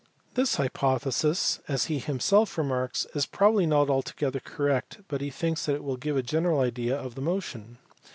This hypothesis, as he himself remarks, is probably not altogether correct, but he thinks that it will give a general idea of the motion.